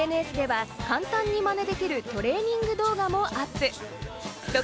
ＳＮＳでは簡単にマネできるトレーニング動画もアップ。